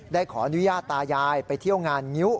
ขออนุญาตตายายไปเที่ยวงานงิ้ว